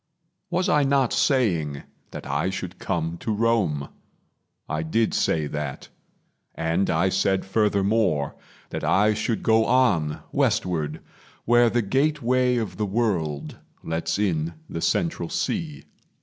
Was I not saying That I should come to Rome? I did say that; And I said furthermore that I should go On westward, where the gateway of the world Lets in the central sea.